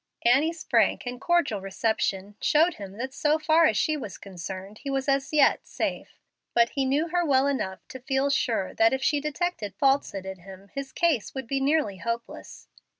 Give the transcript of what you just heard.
Annie's frank and cordial reception showed him that so far as she was concerned he was as yet safe. But he knew her well enough to feel sure that if she detected falsehood in him his case would be nearly hopeless.